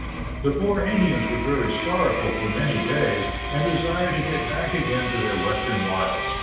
The poor Indians were very sorrowful for many days, and desired to get back again to their western wilds.